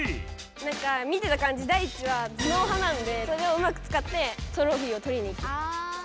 なんか見てたかんじダイチは頭のう派なんでそれをうまく使ってトロフィーをとりにいきます。